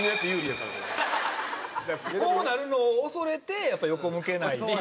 だからこうなるのを恐れてやっぱ横向けないっていう。